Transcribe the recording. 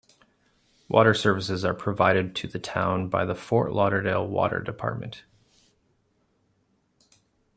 Water services are provided to the town by the Fort Lauderdale Water Department.